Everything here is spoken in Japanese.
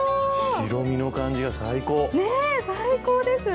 白身の感じが最高。